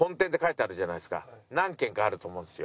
何軒かあると思うんですよ。